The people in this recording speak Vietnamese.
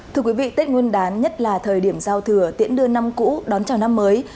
thưa quý vị tết nguyên đán nhất là thời điểm giao thừa tiễn đưa năm cũ đón chào năm mới